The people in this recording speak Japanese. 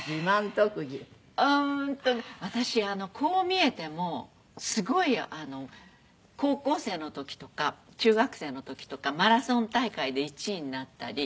私こう見えてもすごい高校生の時とか中学生の時とかマラソン大会で１位になったり。